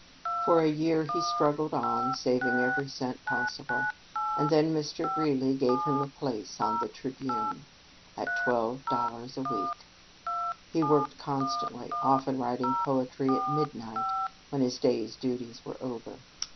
For a year he struggled on, saving every cent possible, and then Mr. Greeley gave him a place on the "Tribune," at twelve dollars a week. He worked constantly, often writing poetry at midnight, when his day's duties were over.